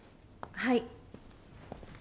はい。